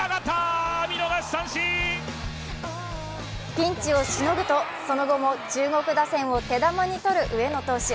ピンチをしのぐとその後も中国打線を手玉に取る上野投手。